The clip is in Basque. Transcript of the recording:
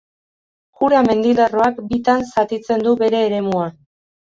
Jura mendilerroak bitan zatitzen du bere eremua.